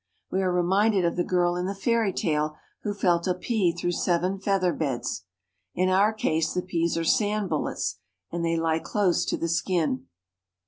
We are reminded of the girl in the fairy tale who felt a pea through seven feather beds. In our case the peas are sand bullets, and they lie close to the skin.